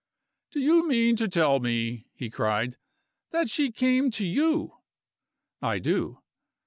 "Do you mean to tell me," he cried, "that she came to you?" "I do."